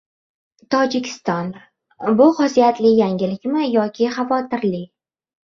Tojikiston: bu xosiyatli yangilikmi yoki xavotirli?